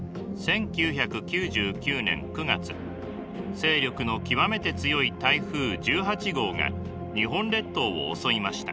勢力の極めて強い台風１８号が日本列島を襲いました。